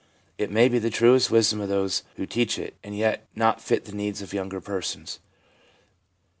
It may be the truest wisdom of those who teach it, and yet not fit the needs of younger persons.